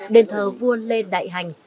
đền thờ vua lê đại hành